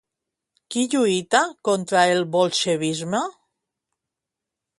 Qui lluita contra el bolxevisme?